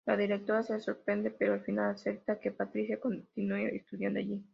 La directora se sorprende, pero al final acepta que Patricia continúe estudiando ahí.